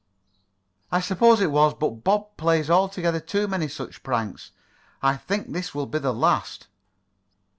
"I suppose it was, but Bob plays altogether too many such pranks. I think this will be the last."